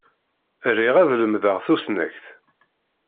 Riɣ ad lemdeɣ tusnakt.